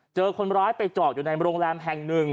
เจอคนร้ายไปจอดอยู่ในโรงแรมแห่งหนึ่ง